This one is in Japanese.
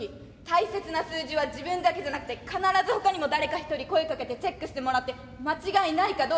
大切な数字は自分だけじゃなくて必ずほかにも誰か一人声かけてチェックしてもらって間違いないかどうか確かめてって。